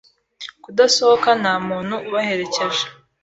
kudasohoka nta muntu ubaherekeje